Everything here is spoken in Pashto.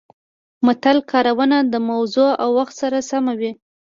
د متل کارونه د موضوع او وخت سره سمه وي